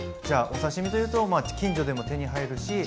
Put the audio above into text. じゃお刺身というと近所でも手に入るし。